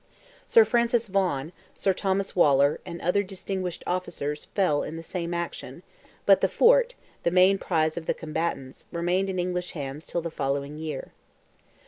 Sir Francis Vaughan, Sir Thomas Waller, and other distinguished officers, fell in the same action, but the fort, the main prize of the combatants, remained in English hands till the following year.